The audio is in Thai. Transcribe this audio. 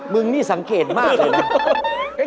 มึงนี่สังเกตมากเลยนะ